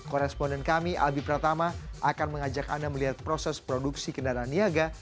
koresponden kami albi pratama akan mengajak anda melihat proses produksi kendaraan niaga